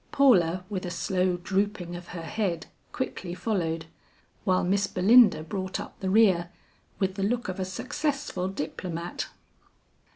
Paula with a slow drooping of her head quickly followed, while Miss Belinda brought up the rear, with the look of a successful diplomat.